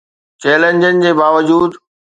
چئلينجن جي باوجود